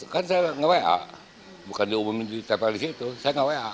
kan saya nggak wa bukan diumumin di tpl di situ saya nggak wa